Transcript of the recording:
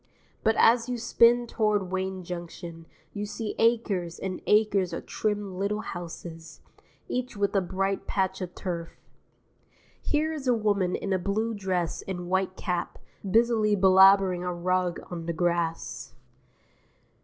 But as you spin toward Wayne Junction you see acres and acres of trim little houses, each with a bright patch of turf. Here is a woman in a blue dress and white cap, busily belabouring a rug on the grass.